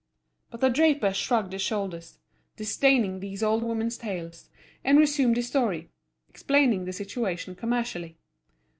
But the draper shrugged his shoulders, disdaining these old women's tales, and resumed his story, explaining the situation commercially.